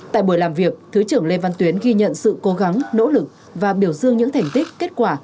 tại buổi làm việc thứ trưởng lê văn tuyến ghi nhận sự cố gắng nỗ lực và biểu dương những thành tích kết quả